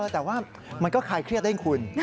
แต่ว่ามันก็คลายเครียดได้คุณ